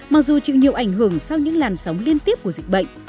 mặc dù chịu nhiều ảnh hưởng sau những làn sóng liên tiếp của dịch bệnh